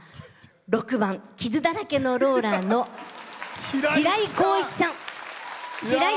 ６番「傷だらけのローラ」のひらいさん。